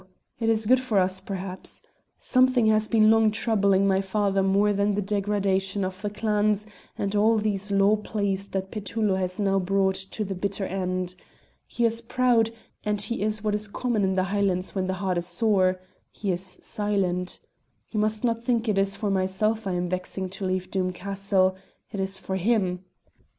It is good for us, perhaps. Something has been long troubling my father more than the degradation of the clans and all these law pleas that Petullo has now brought to the bitter end. He is proud, and he is what is common in the Highlands when the heart is sore he is silent. You must not think it is for myself I am vexing to leave Doom Castle; it is for him.